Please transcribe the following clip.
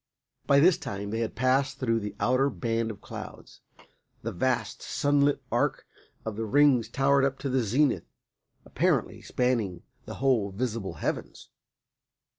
By this time they had passed through the outer band of clouds. The vast, sunlit arch of the Rings towered up to the zenith, apparently spanning the whole visible heavens.